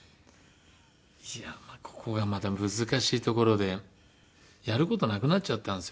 いやここがまた難しいところでやる事なくなっちゃったんですよね